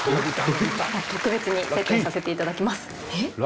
特別にセットにさせていただきます。え？